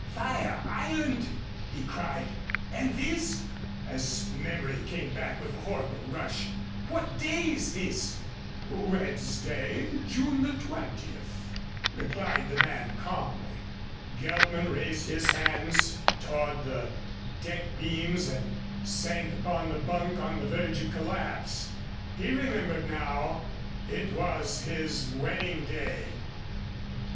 "Fire Island," he cried, "and this " as memory came back with a horrible rush "what day is this?" "Wednesday, June the twentieth," replied the man, calmly. Geltman raised his hands toward the deck beams and sank upon the bunk on the verge of collapse. He remembered now it was his wedding day!